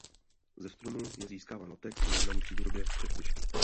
Ze stromů je získáván latex používaný při výrobě překližky.